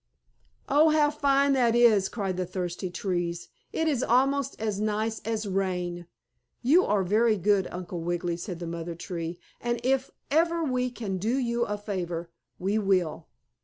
"Oh! How fine that is!" cried the thirsty trees. "It is almost as nice as rain. You are very good, Uncle Wiggily," said the mother tree, "and if ever we can do you a favor we will."